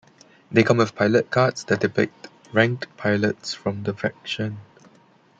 They come with pilot cards that depict ranked pilots from the faction.